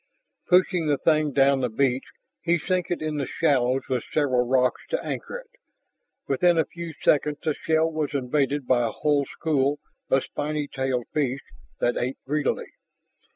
Pushing the thing down the beach, he sank it in the shallows with several rocks to anchor it. Within a few seconds the shell was invaded by a whole school of spiny tailed fish, that ate greedily.